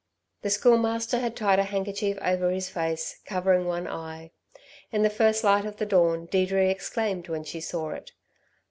The Schoolmaster had tied a handkerchief over his face, covering one eye. In the first light of the dawn Deirdre exclaimed when she saw it.